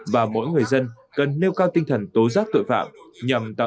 và mỗi người dân cần nêu cao tinh thần tố giác tội phạm